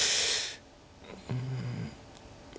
うん。